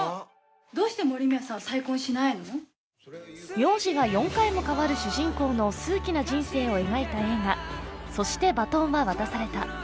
名字が４回も変わる主人公の数奇な人生を描いた映画「そして、バトンは渡された」。